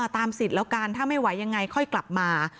สิทธิ์แล้วกันถ้าไม่ไหวยังไงค่อยกลับมา